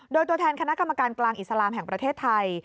โดยตัวแทนคณะกรรมการกลางอิสลามแห่งประเทศไทย